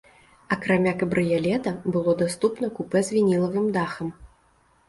Акрамя кабрыялета, было даступна купэ з вінілавым дахам.